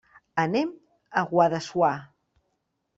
Anem a Guadassuar.